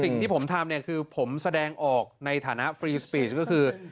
สิ่งที่ผมทำเนี่ยคือผมแสดงออกในฐานะฟรีสปีชก็คือ